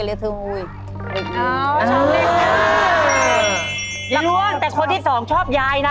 แล้วทุกคนแต่คนที่สองชอบยายนะ